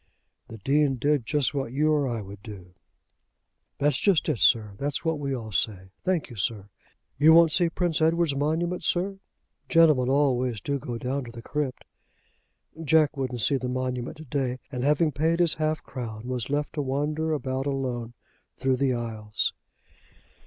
"The Dean did just what you or I would do." "That's just it, sir. That's what we all say. Thank you, sir. You won't see Prince Edward's monument, sir? Gentlemen always do go down to the crypt." Jack wouldn't see the monument to day, and having paid his half crown, was left to wander about alone through the aisles.